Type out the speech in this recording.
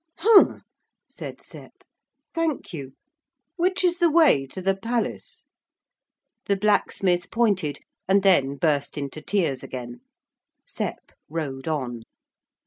'Humph,' said Sep, 'thank you. Which is the way to the palace?' The blacksmith pointed, and then burst into tears again. Sep rode on.